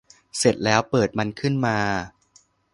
เสร็จแล้วเปิดมันขึ้นมา